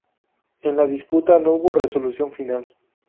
En la disputa no hubo resolución final.